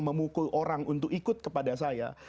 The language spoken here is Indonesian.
memukul orang untuk ikut kepada saya